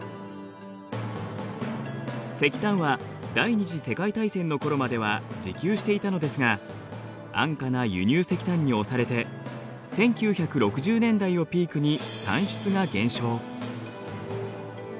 石炭は第２次世界大戦の頃までは自給していたのですが安価な輸入石炭に押されて１９６０年代をピークに産出が減少。